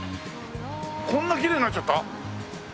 こんなきれいになっちゃった？